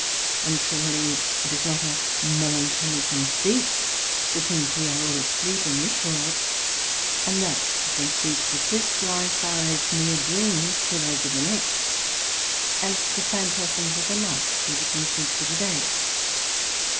And surely it is not a melancholy conceit to think we are all asleep in this World, and that the conceits of this life are as meer dreams to those of the next, as the Phantasms of the night, to the conceits of the day.